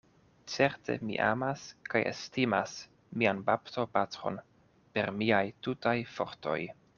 Certe mi amas kaj estimas mian baptopatron per miaj tutaj fortoj.